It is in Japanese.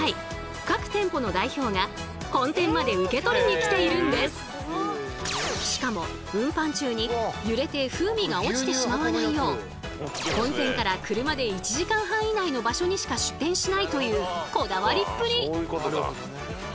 実はというのもできたダシはしかも運搬中に揺れて風味が落ちてしまわないよう本店から車で１時間半以内の場所にしか出店しないというこだわりっぷり。